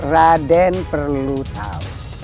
raden perlu tahu